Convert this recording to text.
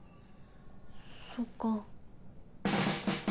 そっか。